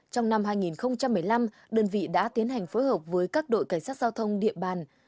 trong năm hai nghìn một mươi năm đơn vị đã tiến hành phối hợp với các đội cảnh sát giao thông địa bàn